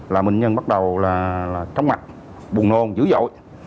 là bệnh nhân bắt đầu là trong mặt buồn nồn dữ dội